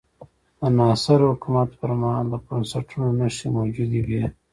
د ناصر حکومت پر مهال د بنسټونو نښې موجودې وې.